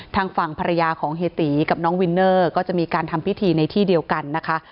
ทางฝั่งภรรยาของเฮียตีกับน้องวินเนอร์ก็จะมีการทำพิธีในที่เดียวกันนะคะ